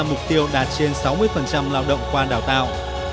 mục tiêu đạt trên sáu mươi lao động qua đào tạo